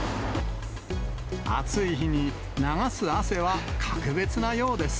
暑い日に流す汗は格別なようです。